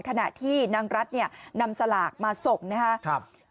ขณะที่นางรัฐเนี่ยนำสลากมาส่งนะครับ